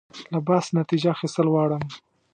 له بحث نتیجه اخیستل غواړم.